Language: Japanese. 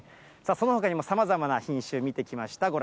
そのほかにも、さまざまな品種、見てきました。